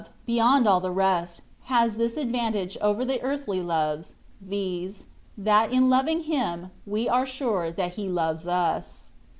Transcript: (beyond all the rest) has this advantage over other earthly loves, viz., that in loving Him, we are sure that He loves ns.